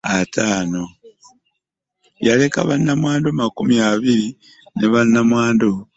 Yaleka ba namwandu makumi abiri ne bamulekwa ataano.